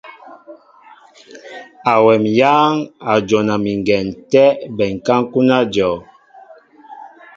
Awɛm éyáŋ a jona mi ŋgɛn tɛ́ bɛnká ń kúná ajɔ́w.